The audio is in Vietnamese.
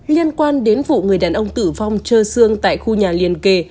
liên quan đến vụ người đàn ông tử vong trơ xương tại khu nhà liên kề